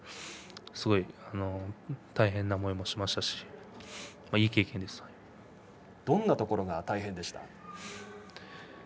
すごい大変な思いもしましたしどんなところが大変でした？